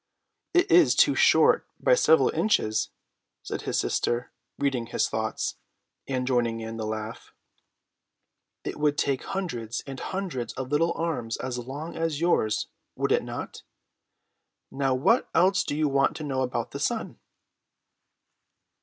"It is too short by several inches," said his sister, reading his thoughts, and joining in the laugh. "It would take hundreds and hundreds of little arms as long as yours, would it not? Now what else do you want to know about the sun?"